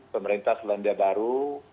pemerintah selandia baru